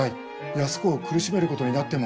安子を苦しめることになっても。